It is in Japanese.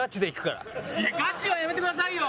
いやガチはやめてくださいよ！